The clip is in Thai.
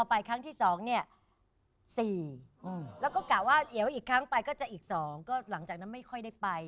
ไปครั้งที่๒เนี่ย๔แล้วก็กะว่าเดี๋ยวอีกครั้งไปก็จะอีก๒ก็หลังจากนั้นไม่ค่อยได้ไป